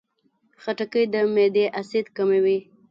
خټکی د معدې اسید کموي.